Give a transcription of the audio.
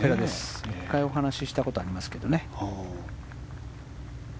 １回お話ししたことありますけどね。